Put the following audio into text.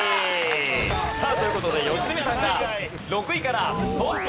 さあという事で良純さんが６位からトップまでいきます。